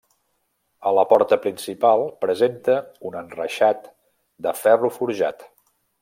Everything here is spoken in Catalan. A la porta principal presenta un enreixat de ferro forjat.